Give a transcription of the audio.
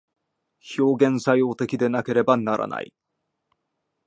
表現作用的でなければならない。